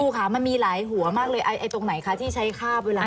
ค่ะมันมีหลายหัวมากเลยไอ้ตรงไหนคะที่ใช้คาบเวลา